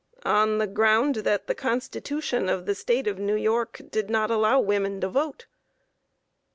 A. On the ground that the Constitution of the State of New York did not allow women to vote.